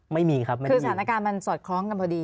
ไม่มีครับคือสถานการณ์มันสอดคล้องกันพอดี